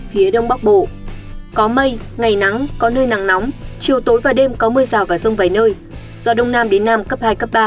phía đông bắc bộ có mây ngày nắng có nơi nắng nóng chiều tối và đêm có mưa rào và rông vài nơi gió đông nam đến nam cấp hai cấp ba